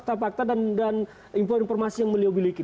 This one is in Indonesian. menyampaikan semua apa fakta fakta dan informasi yang beliau miliki